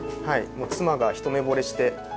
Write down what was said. もう妻が一目ぼれして。